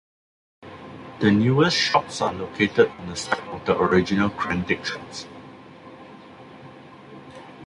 The newest shops are located on the site of the original Crandic shops.